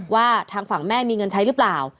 ว่าทางฝั่งแม่มีเงินใช้หรือเปล่า